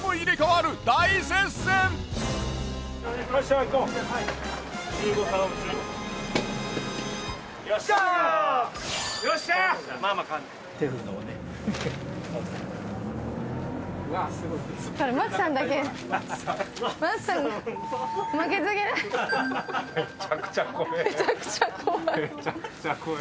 むちゃくちゃ怖え。